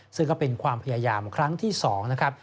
ซึ่งก็เป็นความพยายามครั้งที่๒นะครับ